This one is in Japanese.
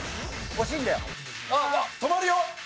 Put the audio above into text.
止まるよ！